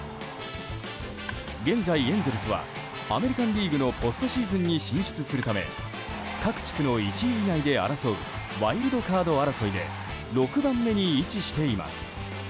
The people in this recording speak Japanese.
現在、エンゼルスはアメリカン・リーグのポストシーズンに進出するため各地区の１位以外で争うワイルドカード争いで６番目に位置しています。